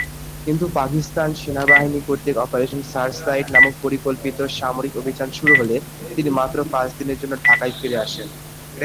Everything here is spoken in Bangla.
কিন্তু পাকিস্তান সেনাবাহিনী কর্তৃক অপারেশন সার্চলাইট নামক পরিকল্পিত সামরিক অভিযান শুরু হলে তিনি মাত্র পাঁচ দিনের জন্য ঢাকায় ফিরে আসেন।